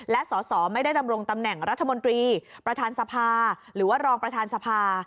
และสอสอไม่ได้ดำรงตำแหน่งรัฐมนตรีประธานสภาหรือว่ารองประธานสภา